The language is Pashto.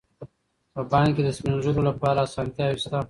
په بانک کې د سپین ږیرو لپاره اسانتیاوې شته.